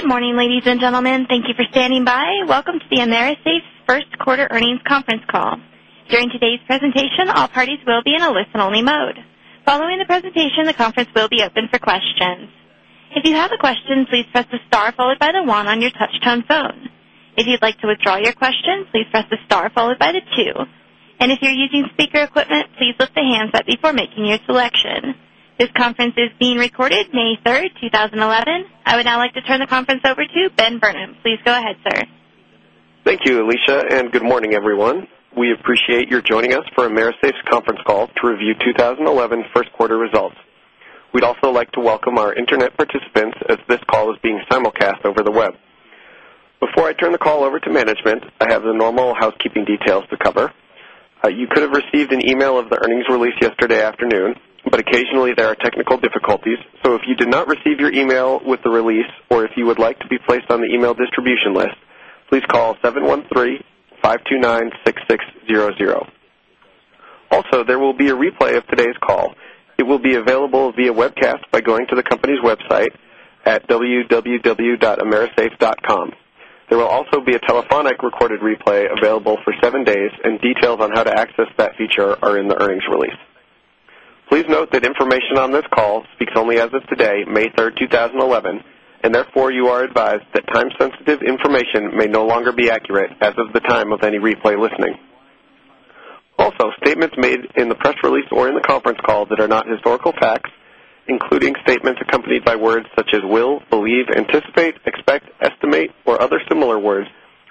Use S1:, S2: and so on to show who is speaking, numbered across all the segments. S1: Good morning, ladies and gentlemen. Thank you for standing by. Welcome to the AMERISAFE first quarter earnings conference call. During today's presentation, all parties will be in a listen-only mode. Following the presentation, the conference will be open for questions. If you have a question, please press the star followed by the one on your touchtone phone. If you'd like to withdraw your question, please press the star followed by the two. If you're using speaker equipment, please lift the handset before making your selection. This conference is being recorded May 3rd, 2011. I would now like to turn the conference over to Ben Burnham. Please go ahead, sir.
S2: Thank you, Alicia, and good morning, everyone. We appreciate your joining us for AMERISAFE's conference call to review 2011 first quarter results. We'd also like to welcome our internet participants as this call is being simulcast over the web. Before I turn the call over to management, I have the normal housekeeping details to cover. You could have received an email of the earnings release yesterday afternoon, but occasionally there are technical difficulties. If you did not receive your email with the release, or if you would like to be placed on the email distribution list, please call 713-529-6600. There will also be a replay of today's call. It will be available via webcast by going to the company's website at www.amerisafe.com. Details on how to access that feature are in the earnings release. Please note that information on this call speaks only as of today, May 3rd, 2011. Therefore, you are advised that time-sensitive information may no longer be accurate as of the time of any replay listening. Statements made in the press release or in the conference call that are not historical facts, including statements accompanied by words such as will, believe, anticipate, expect, estimate, or other similar words,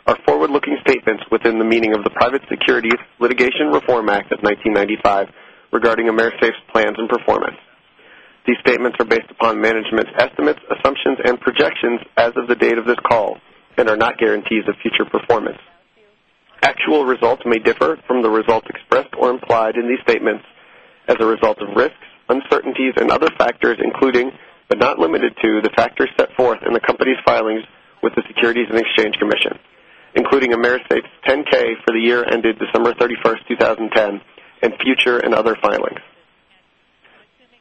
S2: are forward-looking statements within the meaning of the Private Securities Litigation Reform Act of 1995 regarding AMERISAFE's plans and performance. These statements are based upon management's estimates, assumptions, and projections as of the date of this call and are not guarantees of future performance. Actual results may differ from the results expressed or implied in these statements as a result of risks, uncertainties, and other factors, including, but not limited to, the factors set forth in the company's filings with the Securities and Exchange Commission, including AMERISAFE's 10-K for the year ended December 31st, 2010, and future and other filings.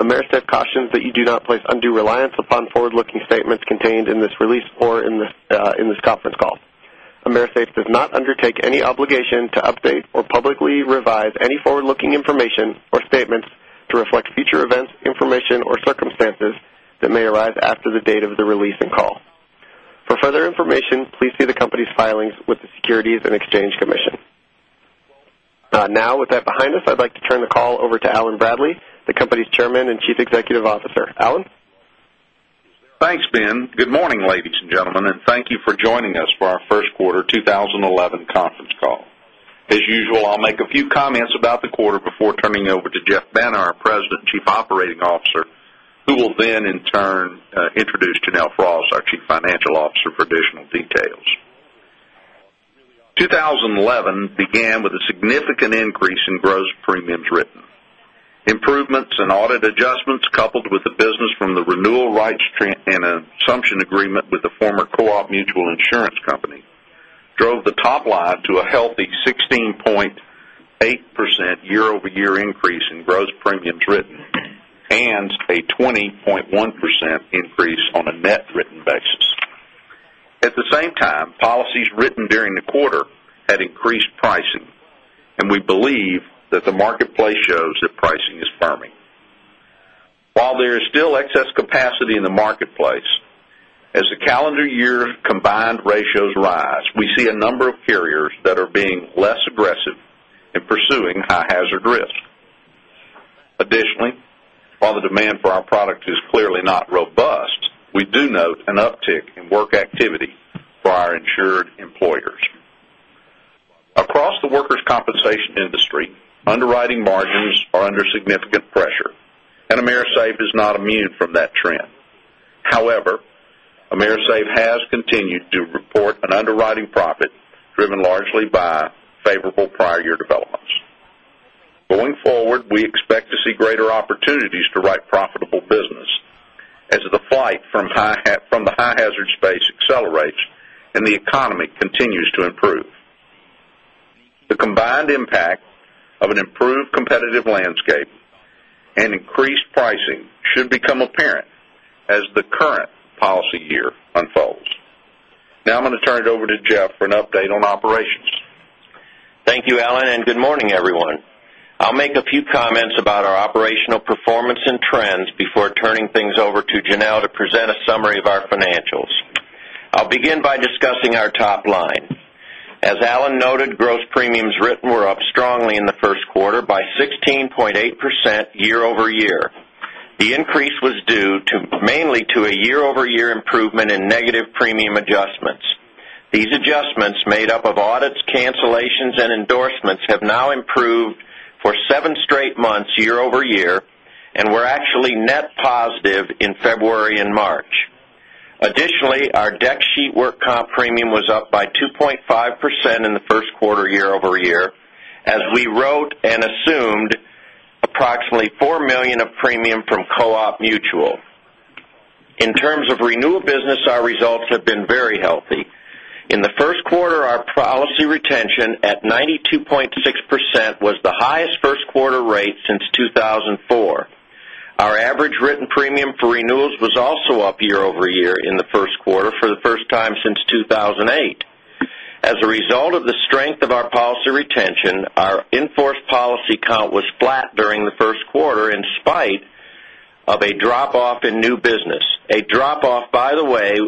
S2: AMERISAFE cautions that you do not place undue reliance upon forward-looking statements contained in this release or in this conference call. AMERISAFE does not undertake any obligation to update or publicly revise any forward-looking information or statements to reflect future events, information, or circumstances that may arise after the date of the release and call. For further information, please see the company's filings with the Securities and Exchange Commission. With that behind us, I'd like to turn the call over to Allen Bradley, the company's Chairman and Chief Executive Officer. Allen?
S3: Thanks, Ben. Good morning, ladies and gentlemen, and thank you for joining us for our first quarter 2011 conference call. As usual, I'll make a few comments about the quarter before turning it over to Geoff Banta, our President and Chief Operating Officer, who will then in turn introduce Janelle Frost, our Chief Financial Officer, for additional details. 2011 began with a significant increase in gross premiums written. Improvements in audit adjustments, coupled with the business from the renewal rights and assumption agreement with the former Cooperative Mutual Insurance Co., drove the top line to a healthy 16.8% year-over-year increase in gross premiums written and a 20.1% increase on a net written basis. At the same time, policies written during the quarter had increased pricing, and we believe that the marketplace shows that pricing is firming. While there is still excess capacity in the marketplace, as the calendar year combined ratios rise, we see a number of carriers that are being less aggressive in pursuing high-hazard risk. Additionally, while the demand for our product is clearly not robust, we do note an uptick in work activity for our insured employers. Across the workers' compensation industry, underwriting margins are under significant pressure, and AMERISAFE is not immune from that trend. However, AMERISAFE has continued to report an underwriting profit driven largely by favorable prior year developments. Going forward, we expect to see greater opportunities to write profitable business as the flight from the high-hazard space accelerates and the economy continues to improve. The combined impact of an improved competitive landscape and increased pricing should become apparent as the current policy year unfolds. Now I'm going to turn it over to Jeff for an update on operations.
S4: Thank you, Allen, and good morning, everyone. I'll make a few comments about our operational performance and trends before turning things over to Janelle to present a summary of our financials. I'll begin by discussing our top line. As Allen noted, gross premiums written were up strongly in the first quarter by 16.8% year-over-year. The increase was due mainly to a year-over-year improvement in negative premium adjustments. These adjustments, made up of audits, cancellations, and endorsements, have now improved for seven straight months year-over-year and were actually net positive in February and March. Additionally, our declarations sheet work comp premium was up by 2.5% in the first quarter year-over-year, as we wrote and assumed approximately $4 million of premium from Co-op Mutual. In terms of renewal business, our results have been very healthy. In the first quarter, our policy retention at 92.6% was the highest Our average written premium for renewals was also up year-over-year in the first quarter for the first time since 2008. As a result of the strength of our policy retention, our in-force policy count was flat during the first quarter in spite of a drop-off in new business. A drop-off, by the way,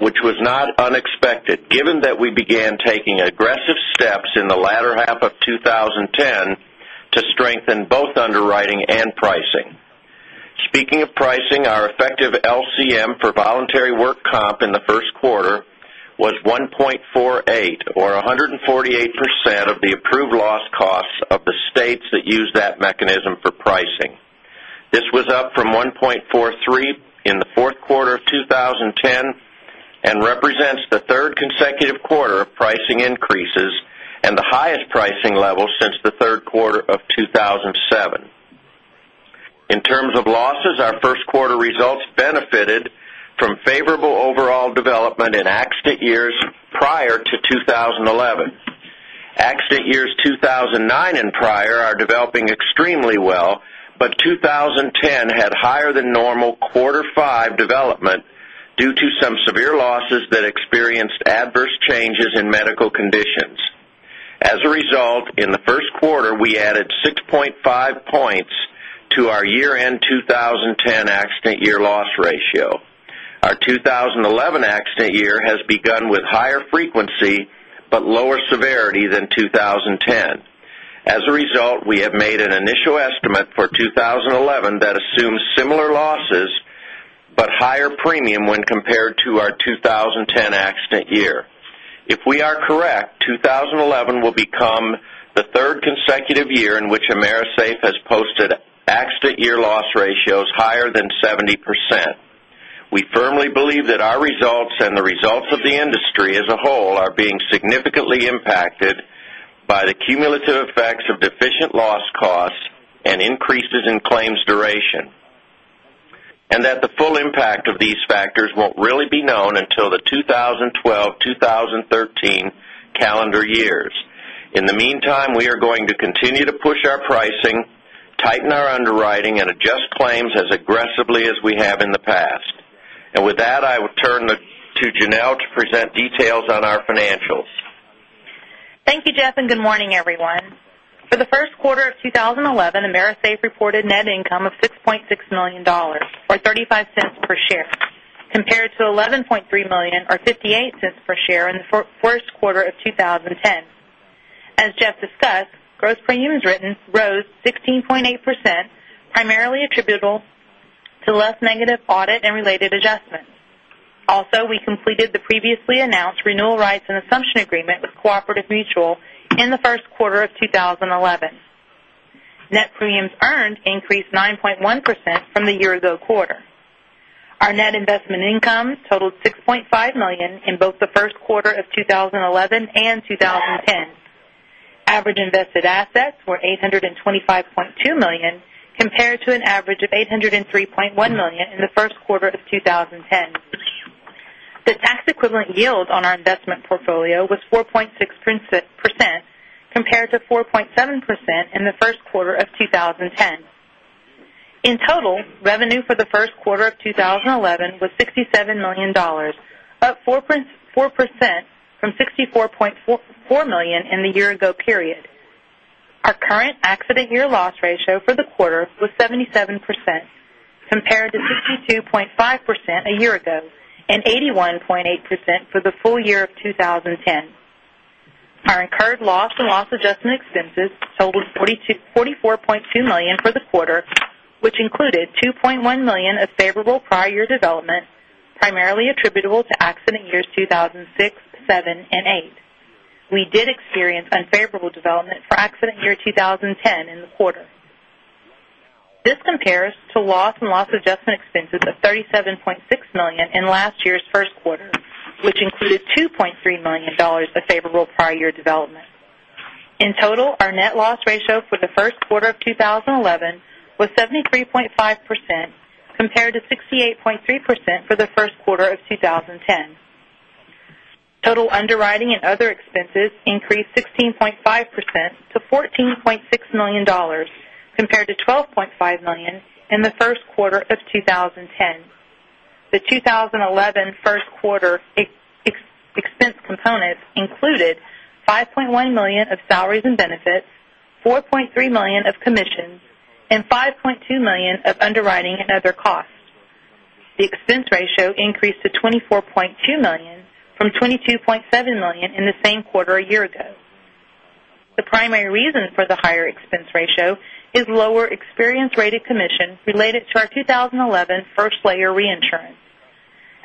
S4: which was not unexpected given that we began taking aggressive steps in the latter half of 2010 to strengthen both underwriting and pricing. Speaking of pricing, our effective LCM for voluntary work comp in the first quarter was 1.48 or 148% of the approved loss costs of the states that use that mechanism for pricing. This was up from 1.43 in the fourth quarter of 2010 and represents the third consecutive quarter of pricing increases and the highest pricing level since the third quarter of 2007. In terms of losses, our first quarter results benefited from favorable overall development in accident years prior to 2011. Accident years 2009 and prior are developing extremely well, but 2010 had higher than normal quarter five development due to some severe losses that experienced adverse changes in medical conditions. As a result, in the first quarter, we added 6.5 points to our year-end 2010 accident year loss ratio. Our 2011 accident year has begun with higher frequency, but lower severity than 2010. As a result, we have made an initial estimate for 2011 that assumes similar losses, but higher premium when compared to our 2010 accident year. If we are correct, 2011 will become the third consecutive year in which AMERISAFE has posted accident year loss ratios higher than 70%. We firmly believe that our results and the results of the industry as a whole are being significantly impacted by the cumulative effects of deficient loss costs and increases in claims duration, and that the full impact of these factors won't really be known until the 2012-2013 calendar years. In the meantime, we are going to continue to push our pricing, tighten our underwriting, and adjust claims as aggressively as we have in the past. With that, I will turn to Janelle to present details on our financials.
S5: Thank you, Jeff, and good morning, everyone. For the first quarter of 2011, AMERISAFE reported net income of $6.6 million, or $0.35 per share, compared to $11.3 million or $0.58 per share in the first quarter of 2010. As Jeff discussed, gross premiums written rose 16.8%, primarily attributable to less negative audit and related adjustments. Also, we completed the previously announced renewal rights and assumption agreement with Cooperative Mutual in the first quarter of 2011. Net premiums earned increased 9.1% from the year ago quarter. Our net investment income totaled $6.5 million in both the first quarter of 2011 and 2010. Average invested assets were $825.2 million, compared to an average of $803.1 million in the first quarter of 2010. The tax equivalent yield on our investment portfolio was 4.6% compared to 4.7% in the first quarter of 2010. In total, revenue for the first quarter of 2011 was $67 million, up 4% from $64.4 million in the year ago period. Our current accident year loss ratio for the quarter was 77%, compared to 62.5% a year ago and 81.8% for the full year of 2010. Our incurred loss and loss adjustment expenses totaled $44.2 million for the quarter, which included $2.1 million of favorable prior year development, primarily attributable to accident years 2006, 2007, and 2008. We did experience unfavorable development for accident year 2010 in the quarter. This compares to loss and loss adjustment expenses of $37.6 million in last year's first quarter, which included $2.3 million of favorable prior year development. In total, our net loss ratio for the first quarter of 2011 was 73.5%, compared to 68.3% for the first quarter of 2010. Total underwriting and other expenses increased 16.5% to $14.6 million, compared to $12.5 million in the first quarter of 2010. The 2011 first quarter expense components included $5.1 million of salaries and benefits, $4.3 million of commissions, and $5.2 million of underwriting and other costs. The expense ratio increased to $24.2 million from $22.7 million in the same quarter a year ago. The primary reason for the higher expense ratio is lower experience-rated commission related to our 2011 first layer reinsurance.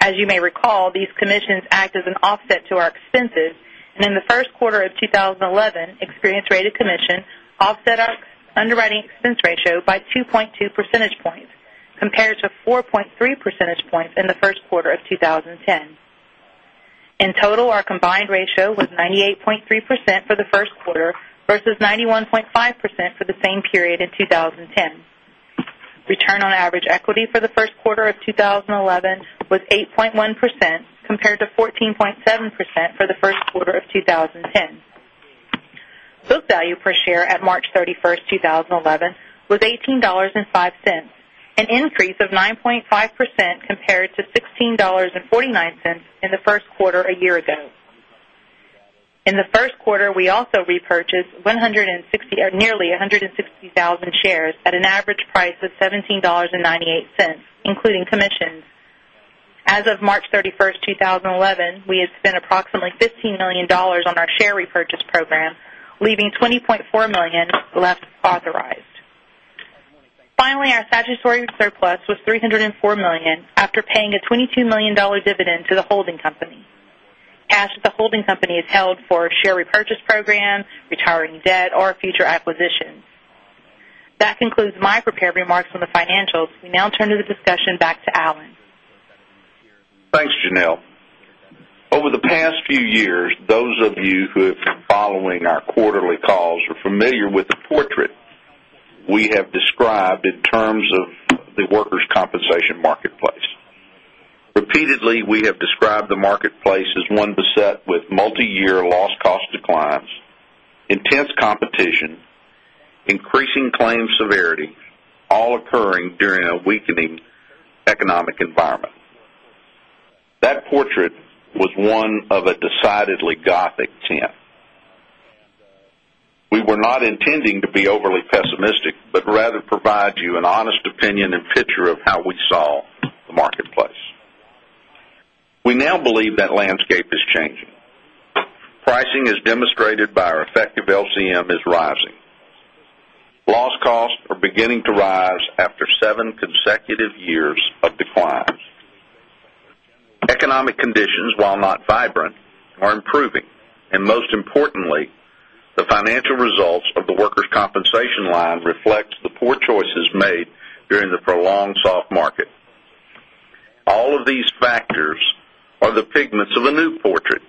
S5: As you may recall, these commissions act as an offset to our expenses, and in the first quarter of 2011, experience-rated commission offset our underwriting expense ratio by 2.2 percentage points, compared to 4.3 percentage points in the first quarter of 2010. In total, our combined ratio was 98.3% for the first quarter versus 91.5% for the same period in 2010. Return on average equity for the first quarter of 2011 was 8.1%, compared to 14.7% for the first quarter of 2010. Book value per share at March 31st, 2011, was $18.05, an increase of 9.5% compared to $16.49 in the first quarter a year ago. In the first quarter, we also repurchased nearly 160,000 shares at an average price of $17.98, including commissions. As of March 31st, 2011, we had spent approximately $15 million on our share repurchase program, leaving $20.4 million left authorized. Finally, our statutory surplus was $304 million after paying a $22 million dividend to the holding company. Cash at the holding company is held for share repurchase programs, retiring debt, or future acquisitions. That concludes my prepared remarks on the financials. We now turn the discussion back to Alan.
S3: Thanks, Janelle. Over the past few years, those of you who have been following our quarterly calls are familiar with the portrait we have described in terms of the workers' compensation marketplace. Repeatedly, we have described the marketplace as one beset with multi-year loss cost declines, intense competition, increasing claim severity, all occurring during a weakening economic environment. That portrait was one of a decidedly gothic tint. We were not intending to be overly pessimistic, but rather provide you an honest opinion and picture of how we saw the marketplace. We now believe that landscape is changing. Pricing, as demonstrated by our effective LCM, is rising. Loss costs are beginning to rise after seven consecutive years of declines. Economic conditions, while not vibrant, are improving. Most importantly, the financial results of the workers' compensation line reflects the poor choices made during the prolonged soft market. All of these factors are the pigments of a new portrait,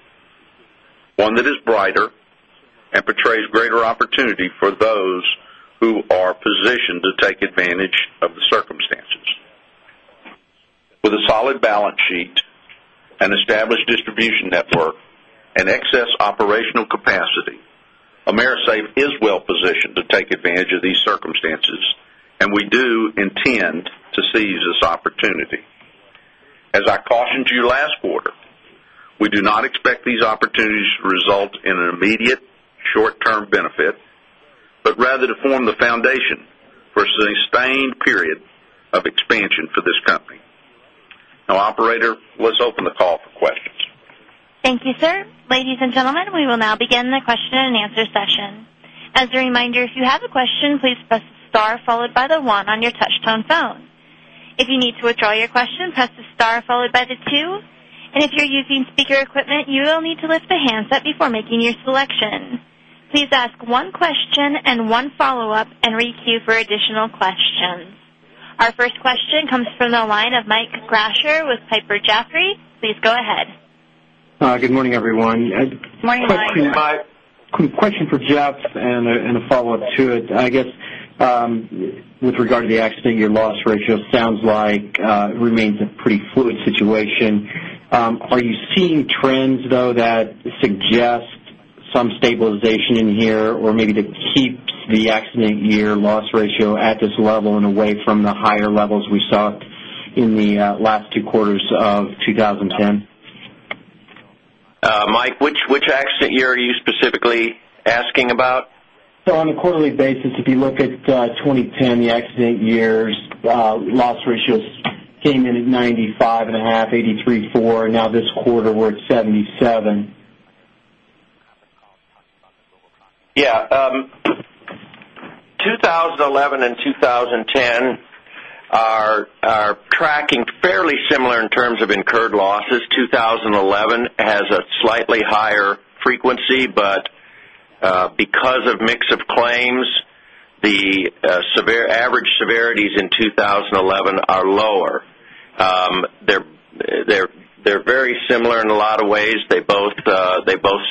S3: one that is brighter and portrays greater opportunity for those who are positioned to take advantage of the circumstances. With a solid balance sheet, an established distribution network, and excess operational capacity, AMERISAFE is well positioned to take advantage of these circumstances, and we do intend to seize this opportunity. As I cautioned you last quarter, we do not expect these opportunities to result in an immediate short-term benefit, but rather to form the foundation for an sustained period of expansion for this company. Operator, let's open the call for questions.
S1: Thank you, sir. Ladies and gentlemen, we will now begin the question and answer session. As a reminder, if you have a question, please press star followed by the one on your touchtone phone. If you need to withdraw your question, press the star followed by the two. If you're using speaker equipment, you will need to lift the handset before making your selection. Please ask one question and one follow-up, and re-queue for additional questions. Our first question comes from the line of Mike Grasher with Piper Jaffray. Please go ahead.
S6: Good morning, everyone.
S5: Morning, Mike.
S6: Quick question for Jeff and a follow-up to it. I guess with regard to the accident year loss ratio, sounds like it remains a pretty fluid situation. Are you seeing trends, though, that suggest some stabilization in here or maybe to keep the accident year loss ratio at this level and away from the higher levels we saw in the last two quarters of 2010?
S4: Mike, which accident year are you specifically asking about?
S6: On a quarterly basis, if you look at 2010, the accident years loss ratios came in at 95.5%, 83.4%, and now this quarter we're at 77%.
S4: Yeah. 2011 and 2010 are tracking fairly similar in terms of incurred losses. 2011 has a slightly higher frequency, but because of mix of claims, the average severities in 2011 are lower. They're very similar in a lot of ways. They both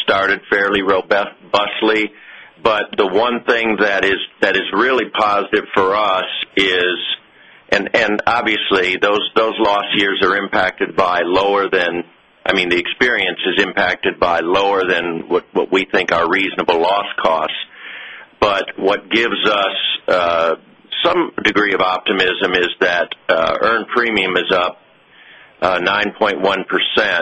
S4: started fairly robustly. And obviously those loss years are impacted by lower than what we think are reasonable loss costs. What gives us some degree of optimism is that earned premium is up 9.1%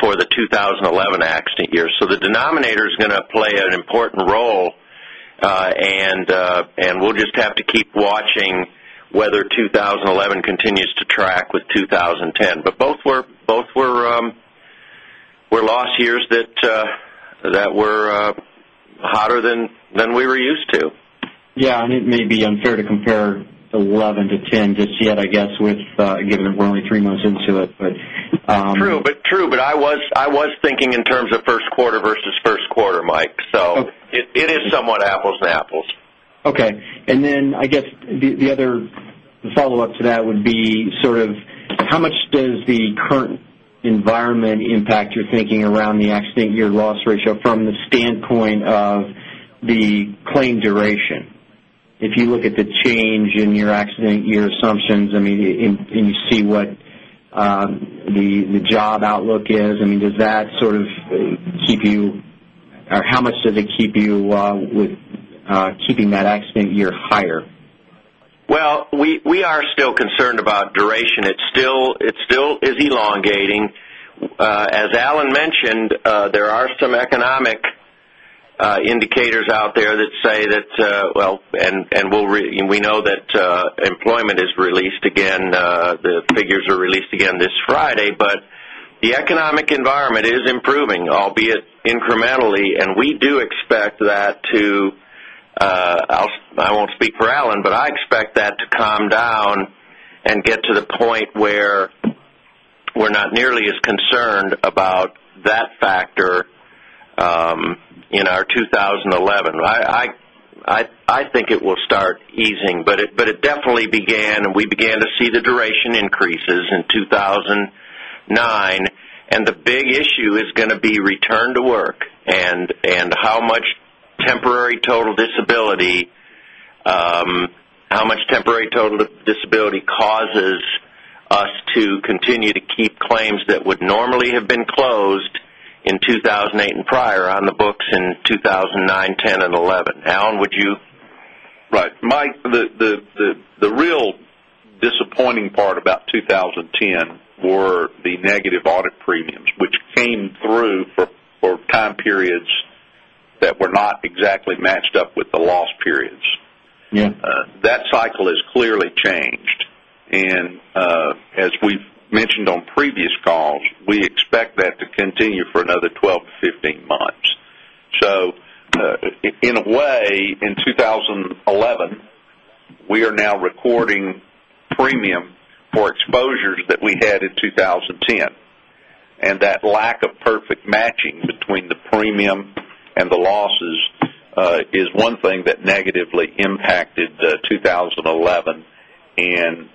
S4: for the 2011 accident year. The denominator is going to play an important role, and we'll just have to keep watching whether 2011 continues to track with 2010. Both were loss years that were hotter than we were used to.
S6: Yeah, it may be unfair to compare 2011 to 2010 just yet, I guess, given that we're only three months into it.
S4: True. I was thinking in terms of first quarter versus first quarter, Mike. It is somewhat apples and apples.
S6: Okay. I guess the other follow-up to that would be how much does the current environment impact your thinking around the accident year loss ratio from the standpoint of the claim duration? If you look at the change in your accident, your assumptions, and you see what the job outlook is, how much does it keep you with keeping that accident year higher?
S4: Well, we are still concerned about duration. It still is elongating. As Alan mentioned, there are some economic indicators out there, and we know that employment is released again. The figures are released again this Friday, but the economic environment is improving, albeit incrementally, and I won't speak for Alan, but I expect that to calm down and get to the point where we're not nearly as concerned about that factor in our 2011. I think it will start easing, but it definitely began, and we began to see the duration increases in 2009, and the big issue is going to be return to work and how much temporary total disability causes us to continue to keep claims that would normally have been closed in 2008 and prior on the books in 2009, 2010, and 2011. Alan, would you?
S3: Right. Mike, the real disappointing part about 2010 were the negative audit premiums, which came through for time periods that were not exactly matched up with the loss periods.
S6: Yeah.
S3: That cycle has clearly changed. As we've mentioned on previous calls, we expect that to continue for another 12 to 15 months. In a way, in 2011, we are now recording premium for exposures that we had in 2010, and that lack of perfect matching between the premium and the losses is one thing that negatively impacted 2010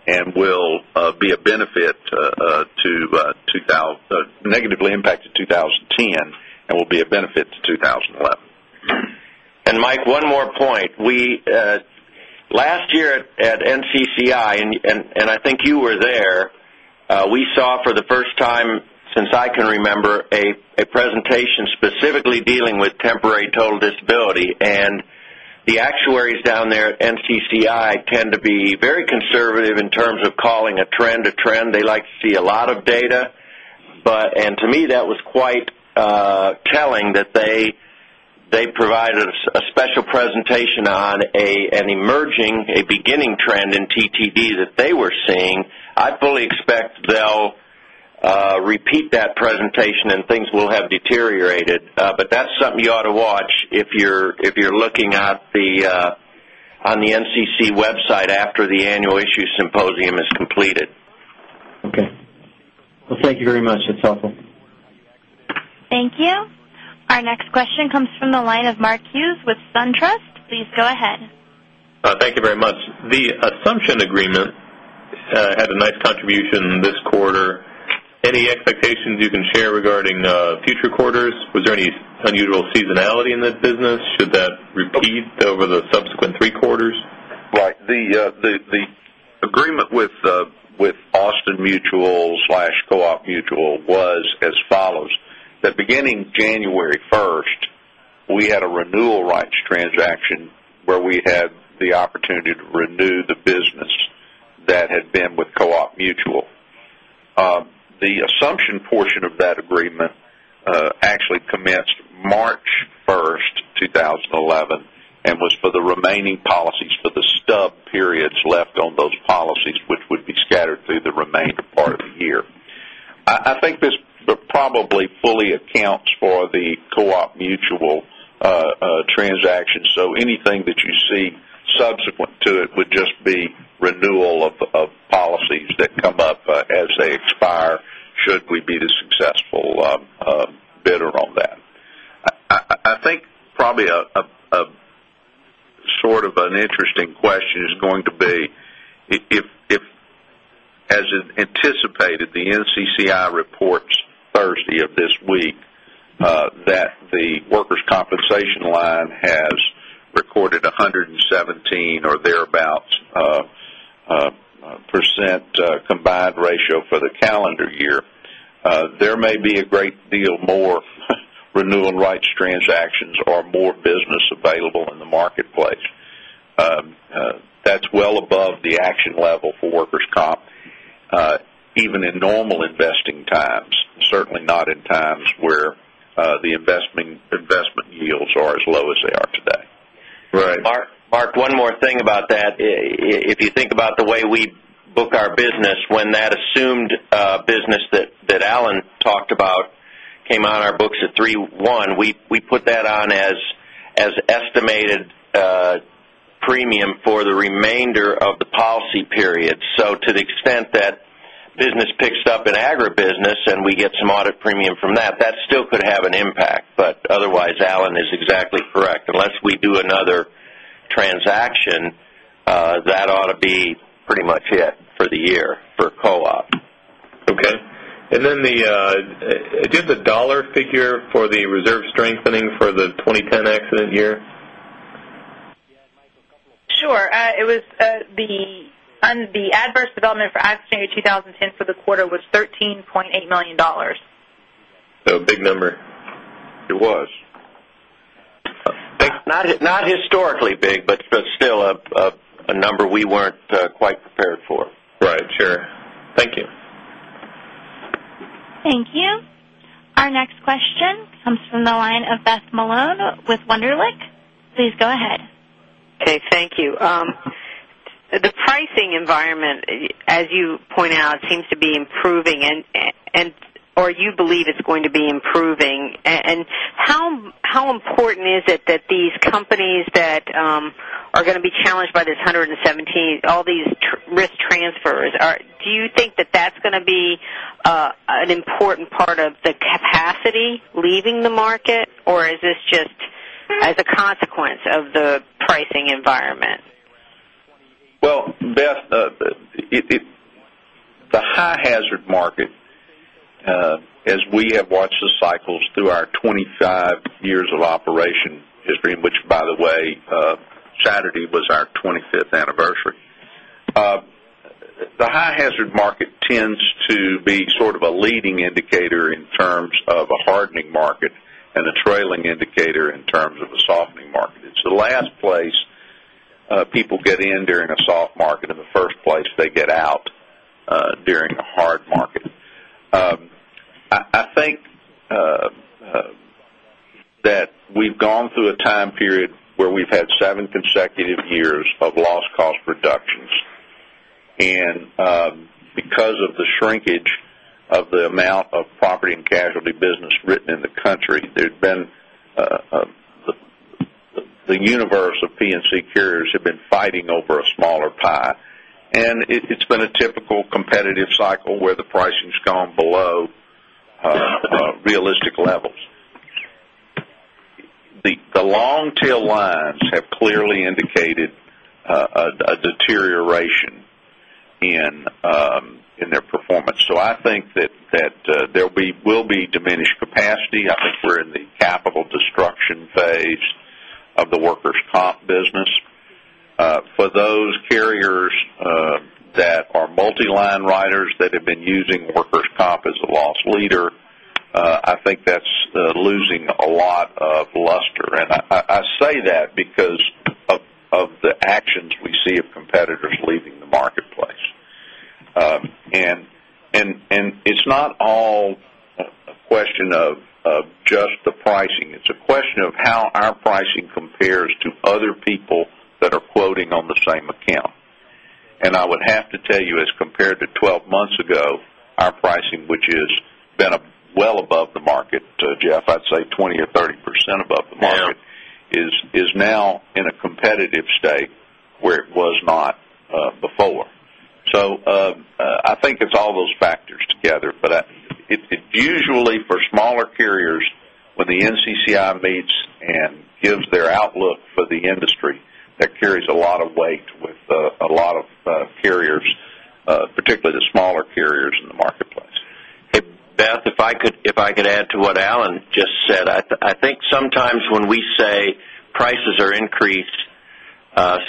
S3: and will be a benefit to 2011.
S4: Mike, one more point. Last year at NCCI, and I think you were there, we saw for the first time since I can remember, a presentation specifically dealing with temporary total disability. The actuaries down there at NCCI tend to be very conservative in terms of calling a trend a trend. They like to see a lot of data. To me, that was quite telling that they provided a special presentation on an emerging, a beginning trend in TTD that they were seeing. I fully expect they'll repeat that presentation, and things will have deteriorated. That's something you ought to watch if you're looking on the NCC website after the Annual Issues Symposium is completed.
S6: Okay. Well, thank you very much. That's helpful.
S1: Thank you. Our next question comes from the line of Mark Hughes with SunTrust. Please go ahead.
S7: Thank you very much. The assumption agreement had a nice contribution this quarter. Any expectations you can share regarding future quarters? Was there any unusual seasonality in this business? Should that repeat over the subsequent three quarters?
S3: Right. The agreement with Austin Mutual/Co-op Mutual was as follows. Beginning January 1st, we had a renewal rights transaction where we had the opportunity to renew the business that had been with Co-op Mutual. The assumption portion of that agreement actually commenced March 1st, 2011, and was for the remaining policies for the stub periods left on those policies, which would be scattered through the remainder part of the year. I think this probably fully accounts for the Co-op Mutual transaction. Anything that you see subsequent to it would just be renewal of policies that come up as they expire should we be the successful bidder on that. I think probably a sort of an interesting question is going to be if, as anticipated, the NCCI reports Thursday of this week that the workers' compensation line has recorded 117 or thereabout % combined ratio for the calendar year. There may be a great deal more renewal rights transactions or more business available in the marketplace. That's well above the action level for workers' comp, even in normal investing times, certainly not in times where the investment yields are as low as they are today.
S4: Right. Mark, one more thing about that. If you think about the way we book our business, when that assumed business that Allen talked about came on our books at three one, we put that on as estimated premium for the remainder of the policy period. To the extent that business picks up in agribusiness and we get some audit premium from that still could have an impact. Otherwise, Allen is exactly correct. Unless we do another transaction, that ought to be pretty much it for the year for Co-op.
S7: Okay. Then do you have the dollar figure for the reserve strengthening for the 2010 accident year?
S5: Sure. The adverse development for accident year 2010 for the quarter was $13.8 million.
S7: A big number.
S3: It was.
S4: Not historically big, but still a number we weren't quite prepared for.
S7: Right. Sure. Thank you.
S1: Thank you. Our next question comes from the line of Beth Malone with Wunderlich. Please go ahead.
S8: Okay. Thank you. The pricing environment, as you point out, seems to be improving, or you believe it's going to be improving. How important is it that these companies that are going to be challenged by this 117? Do you think that that's going to be an important part of the capacity leaving the market? Is this just as a consequence of the pricing environment?
S3: Well, Beth, the high hazard market, as we have watched the cycles through our 25 years of operation history, which by the way, Saturday was our 25th anniversary. The high hazard market tends to be sort of a leading indicator in terms of a hardening market and a trailing indicator in terms of a softening market. It's the last place people get in during a soft market and the first place they get out during a hard market. I think that we've gone through a time period where we've had seven consecutive years of loss cost reductions. Because of the shrinkage of the amount of property and casualty business written in the country, the universe of P&C carriers have been fighting over a smaller pie. It's been a typical competitive cycle where the pricing's gone below realistic levels. The long tail lines have clearly indicated a deterioration in their performance. I think that there will be diminished capacity. I think we're in the capital destruction phase of the workers' comp business. For those carriers that are multi-line writers that have been using workers' comp as a loss leader, I think that's losing a lot of luster. I say that because of the actions we see of competitors leaving the marketplace. It's not all a question of just the pricing. It's a question of how our pricing compares to other people that are quoting on the same account. I would have to tell you, as compared to 12 months ago, our pricing, which has been well above the market, Jeff, I'd say 20% or 30% above the market
S4: Yeah
S3: is now in a competitive state where it was not before. I think it's all those factors together. Usually for smaller carriers, when the NCCI meets and gives their outlook for the industry, that carries a lot of weight with a lot of carriers, particularly the smaller carriers in the marketplace.
S4: Hey, Beth, if I could add to what Alan just said. I think sometimes when we say prices are increased,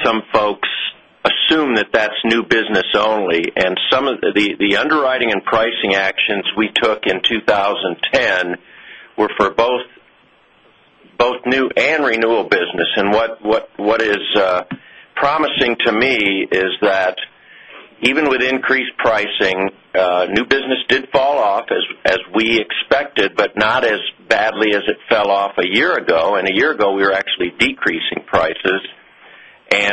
S4: some folks assume that that's new business only. Some of the underwriting and pricing actions we took in 2010 were for both new and renewal business. What is promising to me is that even with increased pricing, new business did fall off as we expected, but not as badly as it fell off a year ago. A year ago, we were actually decreasing prices.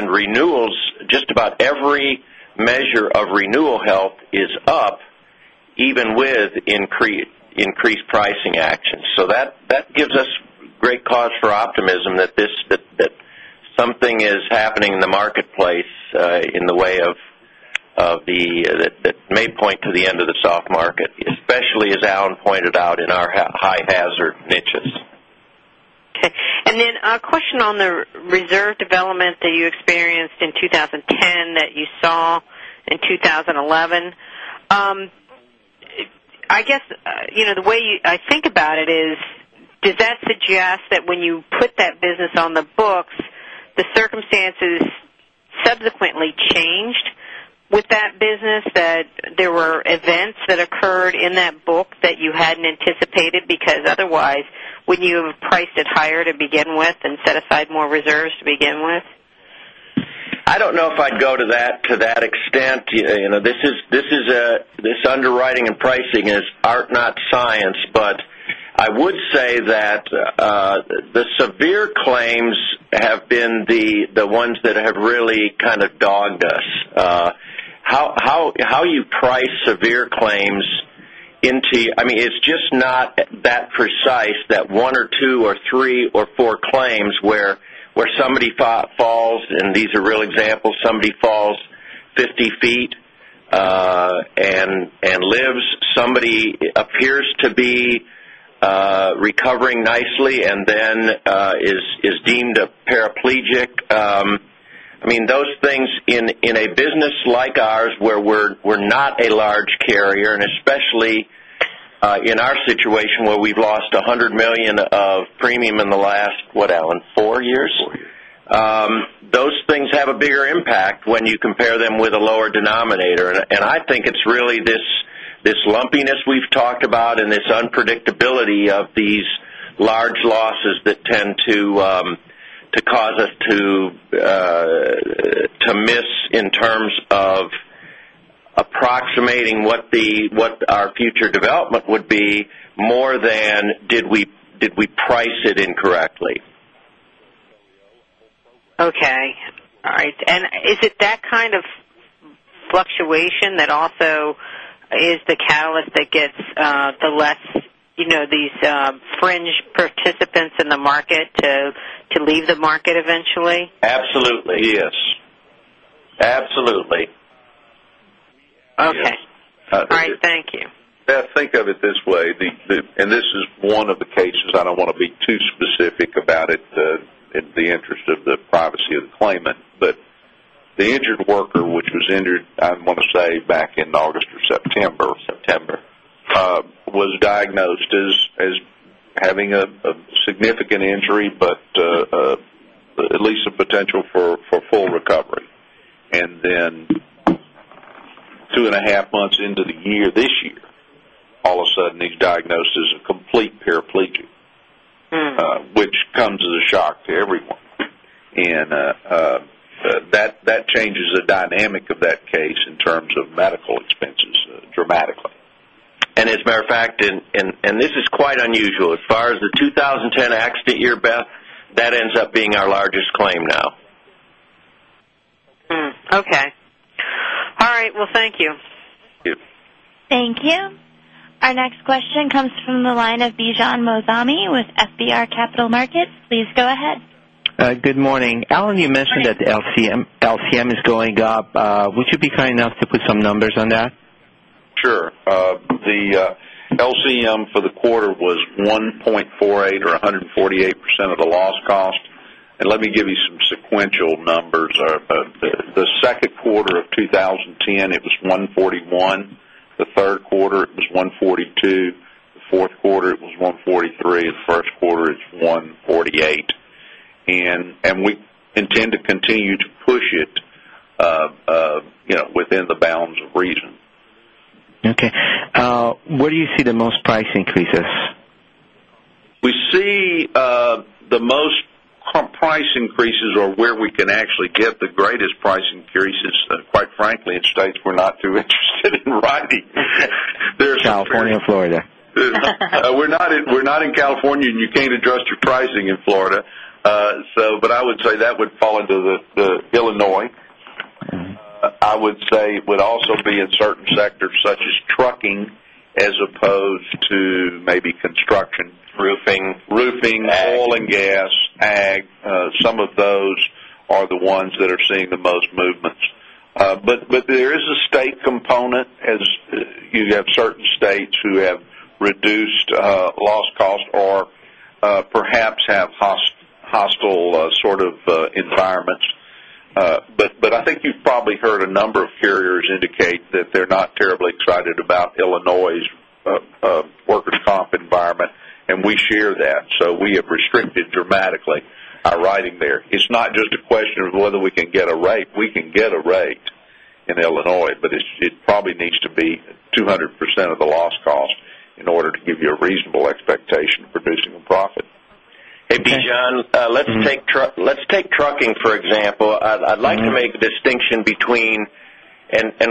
S4: Renewals, just about every measure of renewal health is up, even with increased pricing actions. That gives us great cause for optimism that something is happening in the marketplace that may point to the end of the soft market, especially, as Alan pointed out, in our high hazard niches.
S8: Okay. Then a question on the reserve development that you experienced in 2010 that you saw in 2011. I guess the way I think about it is, does that suggest that when you put that business on the books, the circumstances subsequently changed with that business? That there were events that occurred in that book that you hadn't anticipated because otherwise, wouldn't you have priced it higher to begin with and set aside more reserves to begin with?
S4: I don't know if I'd go to that extent. This underwriting and pricing is art, not science. I would say that the severe claims have been the ones that have really kind of dogged us. It's just not that precise that one, two, three, or four claims where somebody falls, and these are real examples, somebody falls 50 feet and lives. Somebody appears to be recovering nicely. Those things in a business like ours where we're not a large carrier, and especially in our situation where we've lost $100 million of premium in the last, what, Allen, four years?
S3: Four years.
S4: Those things have a bigger impact when you compare them with a lower denominator. I think it's really this lumpiness we've talked about and this unpredictability of these large losses that tend to cause us to miss in terms of approximating what our future development would be more than did we price it incorrectly.
S8: Okay. All right. Is it that kind of fluctuation that also is the catalyst that gets these fringe participants in the market to leave the market eventually?
S4: Absolutely.
S3: Yes.
S4: Absolutely.
S8: Okay.
S3: Yes.
S8: All right. Thank you.
S3: Beth, think of it this way. This is one of the cases, I don't want to be too specific about it in the interest of the privacy of the claimant. The injured worker, which was injured, I want to say back in August or September.
S4: September
S3: was diagnosed as having a significant injury, but at least a potential for full recovery. Two and a half months into the year this year, all of a sudden, he's diagnosed as a complete paraplegic. Which comes as a shock to everyone. That changes the dynamic of that case in terms of medical expenses dramatically.
S4: As a matter of fact, and this is quite unusual, as far as the 2010 accident year, Beth, that ends up being our largest claim now.
S8: Okay. All right. Well, thank you.
S3: Yep.
S1: Thank you. Our next question comes from the line of Bijan Moazami with FBR Capital Markets. Please go ahead.
S9: Good morning. Alan, you mentioned that the LCM is going up. Would you be kind enough to put some numbers on that?
S3: Sure. The LCM for the quarter was 1.48 or 148% of the loss costs. Let me give you some sequential numbers. The second quarter of 2010, it was 141. The third quarter, it was 142. The fourth quarter, it was 143. The first quarter, it's 148. We intend to continue to push it within the bounds of reason.
S9: Okay. Where do you see the most price increases?
S3: We see the most price increases or where we can actually get the greatest price increases, quite frankly, in states we're not too interested in writing.
S9: California and Florida.
S3: We're not in California, and you can't adjust your pricing in Florida. I would say that would fall into Illinois. I would say it would also be in certain sectors such as trucking as opposed to maybe construction.
S4: Roofing.
S3: Roofing.
S4: Ag.
S3: Oil and gas, ag. Some of those are the ones that are seeing the most movements. There is a state component as you have certain states who have reduced loss cost or perhaps have hostile sort of environments. I think you've probably heard a number of carriers indicate that they're not terribly excited about Illinois' workers' comp environment, and we share that. We have restricted dramatically our writing there. It's not just a question of whether we can get a rate. We can get a rate in Illinois, but it probably needs to be 200% of the loss cost in order to give you a reasonable expectation of producing a profit.
S4: Hey, Bijan, let's take trucking, for example. I'd like to make a distinction.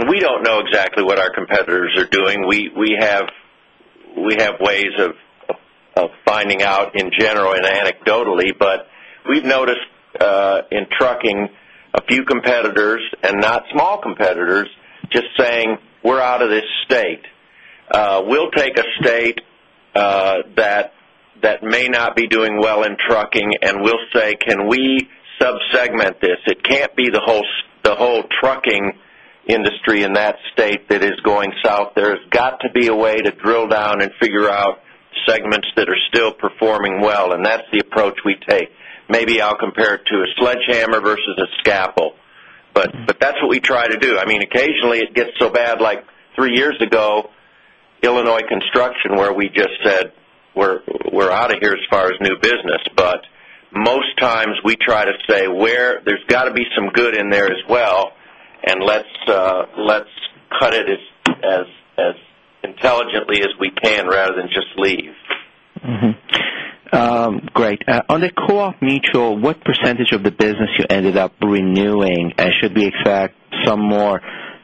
S4: We don't know exactly what our competitors are doing. We have ways of finding out in general anecdotally, but we've noticed in trucking a few competitors, and not small competitors, just saying, "We're out of this state." We'll take a state that may not be doing well in trucking, and we'll say, "Can we sub-segment this?" It can't be the whole trucking industry in that state that is going south. There's got to be a way to drill down and figure out segments that are still performing well, and that's the approach we take. Maybe I'll compare it to a sledgehammer versus a scalpel. That's what we try to do. Occasionally it gets so bad, like 3 years ago, Illinois construction, where we just said, "We're out of here as far as new business." Most times we try to say, "There's got to be some good in there as well, and let's cut it as intelligently as we can rather than just leave.
S9: Great. On the co-op mutual, what % of the business you ended up renewing? Should we expect some more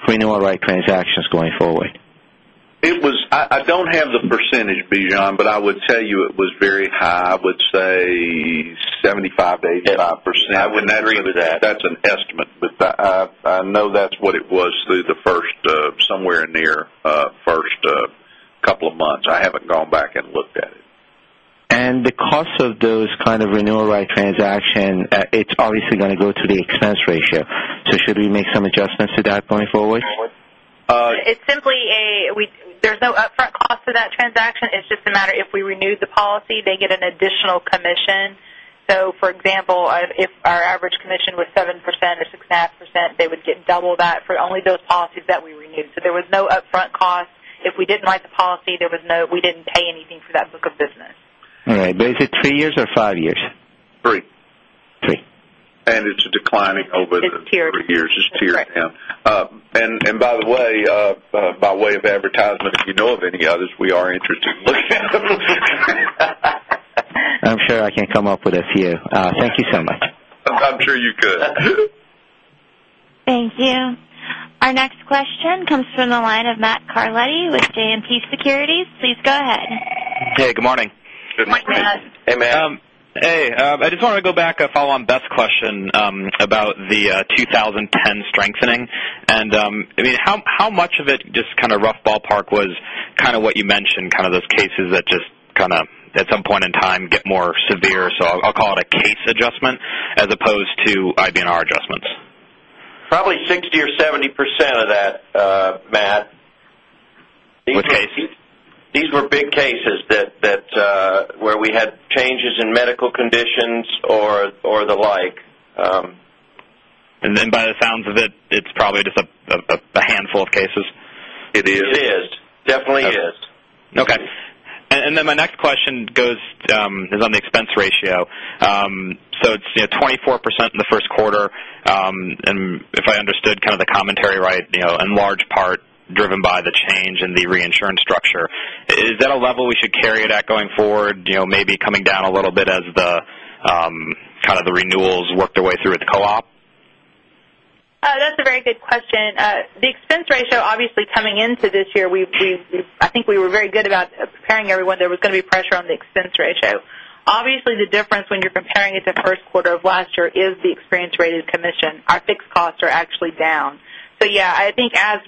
S9: renewal-like transactions going forward?
S3: I don't have the %, Bijan, but I would tell you it was very high. I would say 75%-85%.
S4: I would agree with that.
S3: That's an estimate. I know that's what it was through somewhere near first couple of months. I haven't gone back and looked at it.
S9: The cost of those kind of renewal-like transaction, it's obviously going to go to the expense ratio. Should we make some adjustments to that going forward?
S4: It's simply there's no upfront
S5: Cost of that transaction. It's just a matter if we renew the policy, they get an additional commission. For example, if our average commission was 7% or 6.5%, they would get double that for only those policies that we renewed. There was no upfront cost. If we didn't like the policy, we didn't pay anything for that book of business.
S4: All right. Is it three years or five years?
S3: Three.
S4: Three.
S3: It's declining over the-
S5: It's tiered
S3: three years. It's tiered down. By the way, by way of advertisement, if you know of any others, we are interested in looking.
S4: I'm sure I can come up with a few. Thank you so much.
S3: I'm sure you could.
S1: Thank you. Our next question comes from the line of Matt Carletti with JMP Securities. Please go ahead.
S10: Hey, good morning.
S3: Good morning.
S5: Hi.
S4: Hey, Matt.
S10: Hey. I just wanted to go back, follow on Beth's question about the 2010 strengthening. How much of it, just kind of rough ballpark, was what you mentioned, those cases that just at some point in time get more severe, so I'll call it a case adjustment as opposed to IBNR adjustments?
S4: Probably 60% or 70% of that, Matt.
S10: What cases?
S4: These were big cases where we had changes in medical conditions or the like.
S10: By the sounds of it's probably just a handful of cases.
S3: It is.
S4: It is. Definitely is.
S10: Okay. My next question is on the expense ratio. It is 24% in the first quarter. If I understood the commentary right, in large part driven by the change in the reinsurance structure. Is that a level we should carry it at going forward? Maybe coming down a little bit as the renewals work their way through at the co-op?
S5: That is a very good question. The expense ratio, obviously coming into this year, I think we were very good about preparing everyone there was going to be pressure on the expense ratio. Obviously, the difference when you are comparing it to first quarter of last year is the experience-rated commission. Our fixed costs are actually down. Yeah, I think as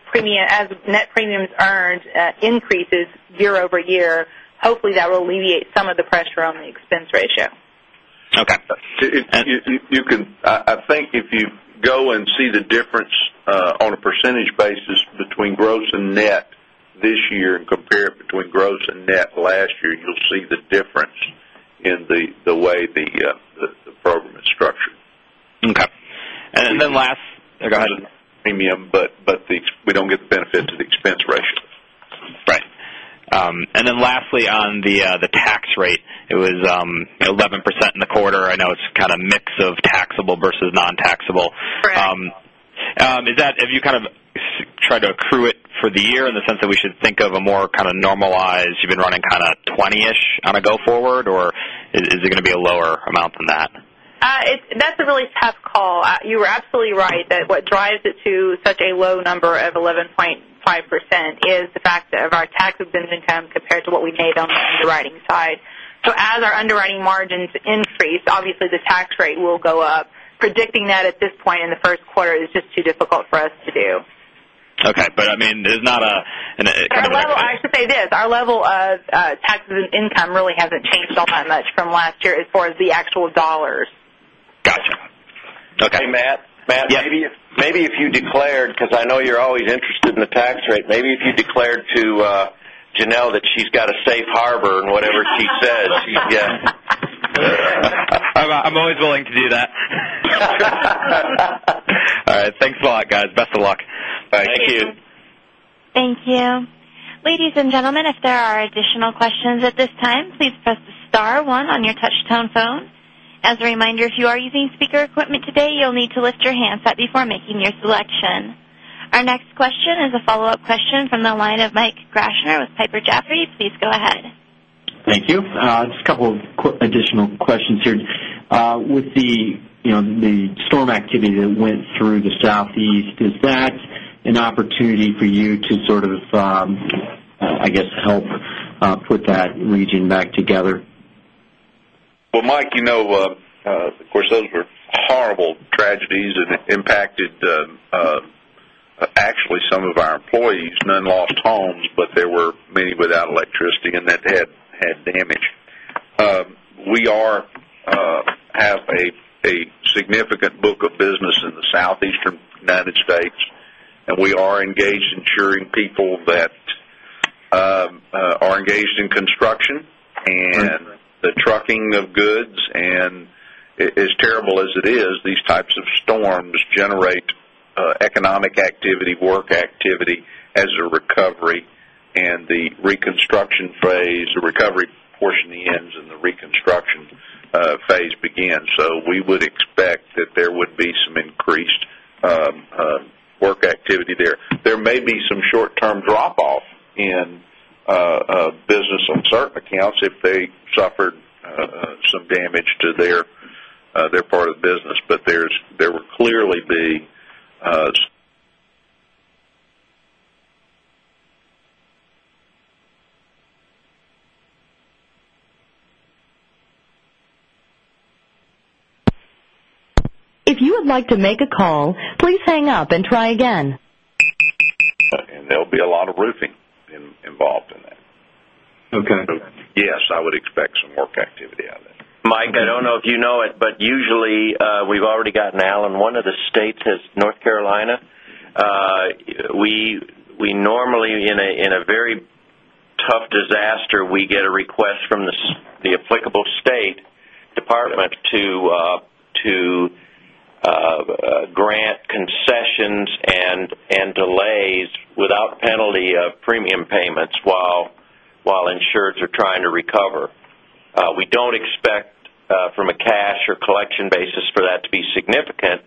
S5: net premiums earned increases year-over-year, hopefully that will alleviate some of the pressure on the expense ratio.
S10: Okay.
S3: I think if you go and see the difference on a percentage basis between gross and net this year and compare it between gross and net last year, you'll see the difference in the way the program is structured.
S10: Okay. Last-
S3: Go ahead. Premium, we don't get the benefit to the expense ratio.
S10: Right. Lastly, on the tax rate, it was 11% in the quarter. I know it's kind of mix of taxable versus non-taxable.
S5: Right.
S10: Have you kind of tried to accrue it for the year in the sense that we should think of a more kind of normalized, you've been running kind of 20-ish on a go forward, or is it going to be a lower amount than that?
S5: That's a really tough call. You are absolutely right that what drives it to such a low number of 11.5% is the fact of our tax-exempt income compared to what we made on the underwriting side. As our underwriting margins increase, obviously the tax rate will go up. Predicting that at this point in the first quarter is just too difficult for us to do.
S10: Okay. I mean, there's not a
S5: I should say this, our level of taxes and income really hasn't changed all that much from last year as far as the actual dollars.
S10: Got you. Okay.
S3: Hey, Matt.
S10: Yeah.
S3: Maybe if you declared, because I know you're always interested in the tax rate, maybe if you declared to Janelle that she's got a safe harbor in whatever she says.
S10: I'm always willing to do that. All right. Thanks a lot, guys. Best of luck.
S3: Thank you.
S5: Thank you.
S1: Thank you. Ladies and gentlemen, if there are additional questions at this time, please press the star one on your touchtone phone. As a reminder, if you are using speaker equipment today, you'll need to lift your handset before making your selection. Our next question is a follow-up question from the line of Mike Grasher with Piper Jaffray. Please go ahead.
S6: Thank you. Just a couple of additional questions here. With the storm activity that went through the Southeast, is that an opportunity for you to sort of, I guess, help put that region back together?
S3: Well, Mike, of course, those were horrible tragedies and it impacted actually some of our employees. None lost homes, but there were many without electricity and that had damage. We have a significant book of business in the Southeastern U.S., and we are engaged insuring people that are engaged in construction and the trucking of goods. As terrible as it is, these types of storms generate economic activity, work activity as a recovery. The recovery portion ends, and the reconstruction phase begins. We would expect that there would be some increased work activity there. There may be some short-term drop-off in business on certain accounts if they suffered some damage to their part of the business. There will clearly be.
S1: If you would like to make a call, please hang up and try again.
S3: There'll be a lot of roofing involved in that.
S6: Okay.
S3: Yes, I would expect some work activity out of that.
S4: Mike, I don't know if you know it, but usually we've already gotten Allen. One of the states as North Carolina. We normally, in a very tough disaster, we get a request from the applicable state Departments of Insurance to grant concessions and delays without penalty of premium payments while insureds are trying to recover. We don't expect from a cash or collection basis for that to be significant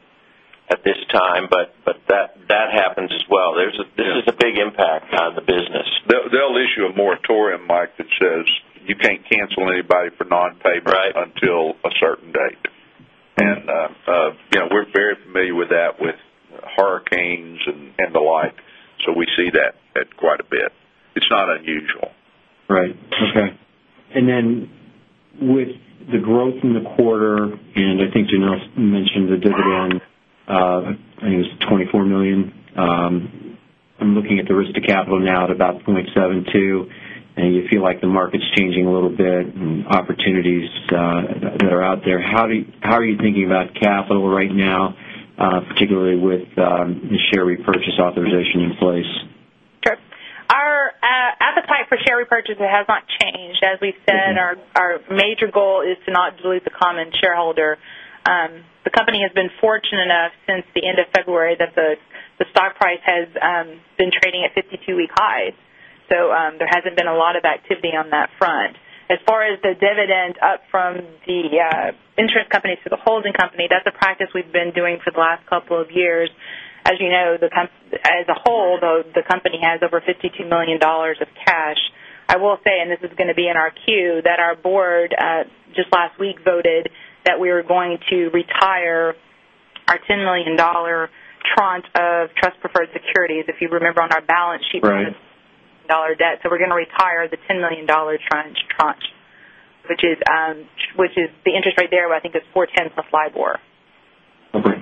S4: at this time, but that happens as well. This is a big impact on the business.
S3: They'll issue a moratorium, Mike, that says you can't cancel anybody for non-payment.
S6: Right until a certain date. We're very familiar with that with hurricanes and the like. We see that quite a bit. It's not unusual. Right. Okay. Then with the growth in the quarter, and I think Janelle mentioned the dividend of, I think it was $24 million. I'm looking at the risk to capital now at about 0.72, and you feel like the market's changing a little bit and opportunities that are out there. How are you thinking about capital right now, particularly with the share repurchase authorization in place?
S5: Sure. Our appetite for share repurchase has not changed. As we've said, our major goal is to not dilute the common shareholder. The company has been fortunate enough since the end of February that the stock price has been trading at 52-week highs, so there hasn't been a lot of activity on that front. As far as the dividend up from the insurance company to the holding company, that's a practice we've been doing for the last couple of years. As you know, as a whole, the company has over $52 million of cash. I will say, and this is going to be in our Q, that our board just last week voted that we are going to retire our $10 million tranche of trust preferred securities. If you remember on our balance sheet-
S6: Right
S5: dollar debt. We're going to retire the $10 million tranche, which is the interest rate there, I think is four-tenths of LIBOR.
S6: Okay.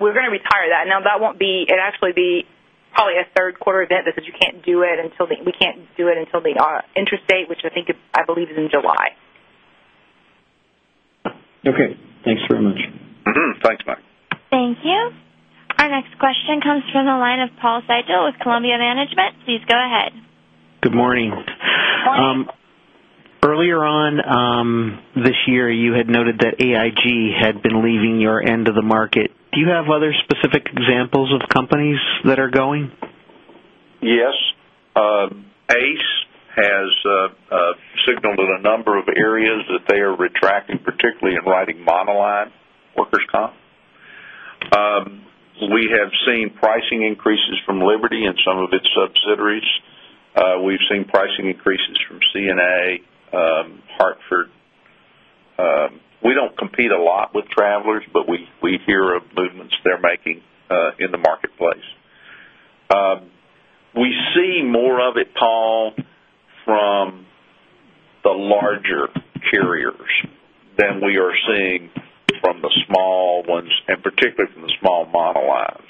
S5: We're going to retire that. Now it'd actually be probably a third quarter event because we can't do it until the interest date, which I think is, I believe is in July.
S6: Okay. Thanks very much.
S3: Thanks, Mike.
S1: Thank you. Our next question comes from the line of Paul Seidel with Columbia Management. Please go ahead.
S11: Good morning.
S5: Morning.
S11: Earlier on this year, you had noted that AIG had been leaving your end of the market. Do you have other specific examples of companies that are going?
S3: Yes. ACE has signaled in a number of areas that they are retracting, particularly in writing monoline workers' comp. We have seen pricing increases from Liberty and some of its subsidiaries. We've seen pricing increases from CNA, Hartford. We don't compete a lot with Travelers, but we hear of movements they're making in the marketplace. We see more of it, Paul, from the larger carriers than we are seeing from the small ones, and particularly from the small monolines.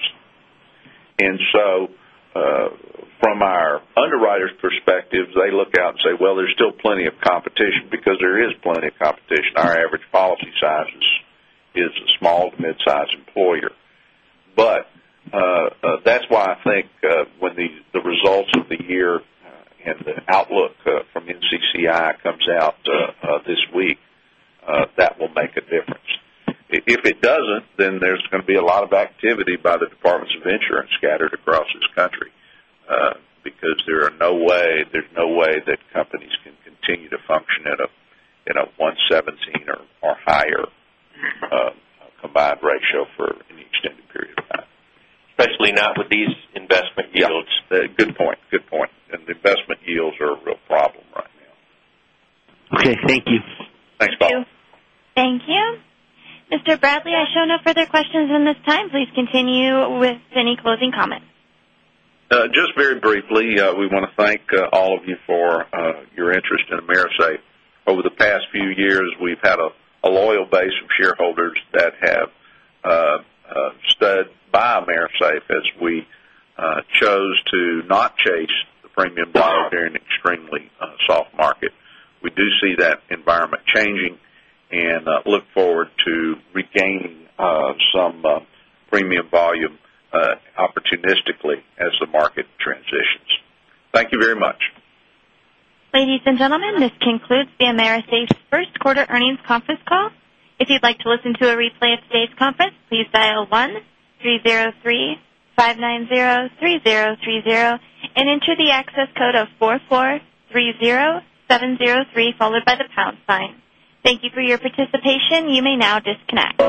S3: From our underwriters' perspective, they look out and say, "Well, there's still plenty of competition," because there is plenty of competition. Our average policy size is a small to midsize employer. That's why I think when the results of the year and the outlook from NCCI comes out this week, that will make a difference. If it doesn't, there's going to be a lot of activity by the Departments of Insurance scattered across this country because there's no way that companies can continue to function in a 117% or higher combined ratio for any extended period of time.
S4: Especially not with these investment yields.
S3: Yeah. Good point. Good point. The investment yields are a real problem right now.
S11: Okay. Thank you.
S3: Thanks, Paul.
S5: Thank you.
S1: Thank you. Mr. Bradley, I show no further questions in this time. Please continue with any closing comments.
S3: Just very briefly, we want to thank all of you for your interest in AMERISAFE. Over the past few years, we've had a loyal base of shareholders that have stood by AMERISAFE as we chose to not chase the premium volume during an extremely soft market. We do see that environment changing and look forward to regaining some premium volume opportunistically as the market transitions. Thank you very much.
S1: Ladies and gentlemen, this concludes the AMERISAFE's first quarter earnings conference call. If you'd like to listen to a replay of today's conference, please dial 1-303-590-3030 and enter the access code of 4430703 followed by the pound sign. Thank you for your participation. You may now disconnect.